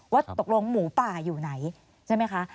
ว่าตกลงหมูป่าอยู่ไหนใช่ไหมคะ